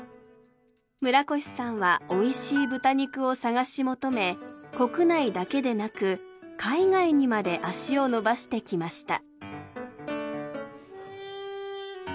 村越さんはおいしい豚肉を探し求め国内だけでなく海外にまで足を延ばしてきました。